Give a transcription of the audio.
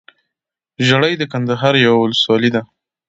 ژړۍ دکندهار يٶه ولسوالې ده